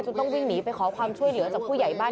ต้องวิ่งหนีไปขอความช่วยเหลือจากผู้ใหญ่บ้าน